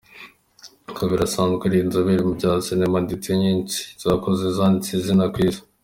Kabera asanzwe ari inzobere mu bya sinema ndetse nyinshi yakoze zanditse izina ku Isi.